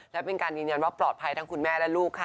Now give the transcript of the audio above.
และเป็นการยืนยันว่าปลอดภัยทั้งคุณแม่และลูกค่ะ